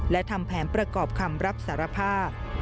และทำแผนประกอบคำรับสารภาพ